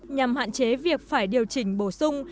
nhằm hạn chế việc phải điều chỉnh bổ sung